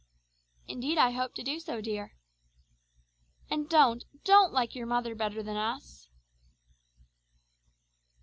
"Indeed I hope to do so, dear." "And don't, don't like your mother better than us!"